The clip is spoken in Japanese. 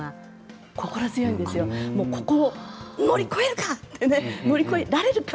もうここを乗り越えるかってね乗り越えられるか。